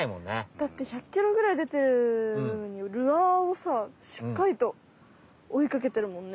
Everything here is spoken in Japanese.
だって１００キロぐらいでてるルアーをさしっかりと追いかけてるもんね。